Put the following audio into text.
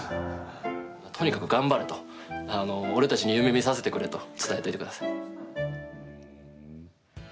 とにかく頑張れと、俺たちに夢みさせてくれと伝えてください。